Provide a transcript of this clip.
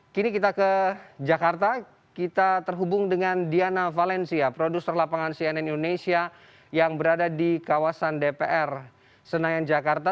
kini kita ke jakarta kita terhubung dengan diana valencia produser lapangan cnn indonesia yang berada di kawasan dpr senayan jakarta